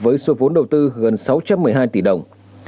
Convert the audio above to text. với số vốn đầu tư gần sáu trăm một mươi hai tỷ đồng